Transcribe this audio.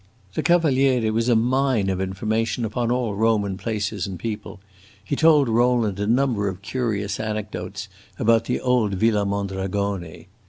The Cavaliere was a mine of information upon all Roman places and people; he told Rowland a number of curious anecdotes about the old Villa Mondragone.